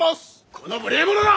この無礼者が！